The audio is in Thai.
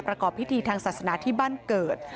ประกอบพิธีทางศาสนาที่บ้านเกิด